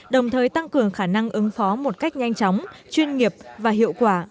đồng thời tăng cường khả năng ứng phó một cách nhanh chóng chuyên nghiệp và hiệu quả